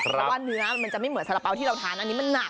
เพราะว่าเนื้อมันจะไม่เหมือนสาระเป๋าที่เราทานอันนี้มันหนัก